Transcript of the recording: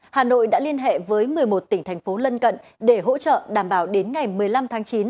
hà nội đã liên hệ với một mươi một tỉnh thành phố lân cận để hỗ trợ đảm bảo đến ngày một mươi năm tháng chín